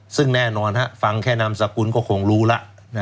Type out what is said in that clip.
ซึ่งแน่นอนฟังแค่นามสกุลก็คงรู้แล้ว